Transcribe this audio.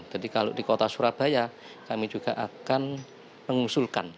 jadi kalau di kota surabaya kami juga akan mengusulkan